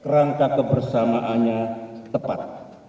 rangka kebersamaannya tepat